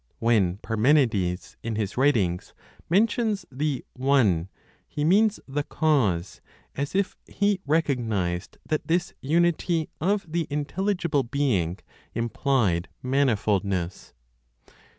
When Parmenides, in his writings, mentions the One, he means the cause, as if he recognized that this unity (of the intelligible being) implied manifoldness.